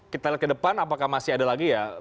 kita lihat ke depan apakah masih ada lagi ya